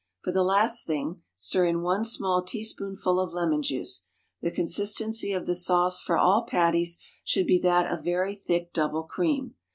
For the last thing, stir in one small teaspoonful of lemon juice. The consistency of the sauce for all patties should be that of very thick double cream.